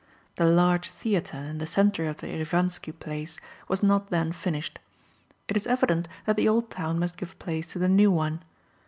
The large theatre, in the centre of the Erivanski Place, was not then finished. It is evident that the old town must give place to the new one.